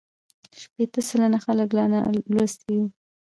شپېته سلنه خلک لا نالوستي دي.